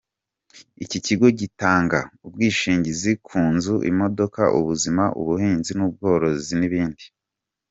Iki kigo gitanga ubwishingizi ku nzu, imodoka, ubuzima, ubuhinzi n’ubworozi n’ibindi.